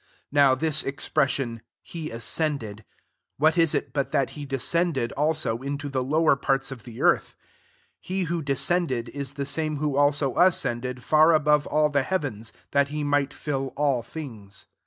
* 9 (Now, this exfireaaion, he as cended, what is it but that he descended also into the'lowei ^^fiarta'] of the earth ? 10 he who descended is the same who also ascended far above all the heavens, that he might fill all things.)